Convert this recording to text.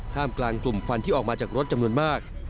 กลุ่มกลางกลุ่มควันที่ออกมาจากรถจำนวนมาก